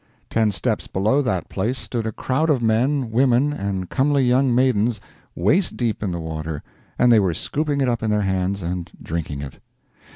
Ten steps below that place stood a crowd of men, women, and comely young maidens waist deep in the water and they were scooping it up in their hands and drinking it.